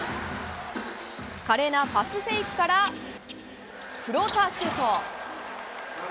華麗なパスフェイクから、フローターシュート。